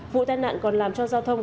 vụ tai nạn còn làm cho giao thông